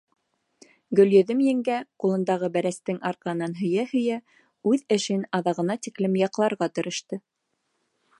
Гөлйөҙөм еңгә, ҡулындағы бәрәстең арҡаһынан һөйә-һөйә, үҙ эшен аҙағына тиклем яҡларға тырышты.